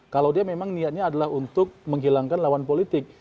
kalau dia memang niatnya adalah untuk menghilangkan lawan politik